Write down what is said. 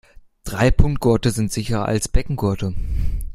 Dreipunktgurte sind sicherer als Beckengurte.